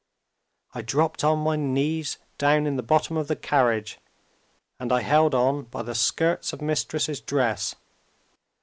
I dropped on my knees, down in the bottom of the carriage; and I held on by the skirts of Mistress's dress.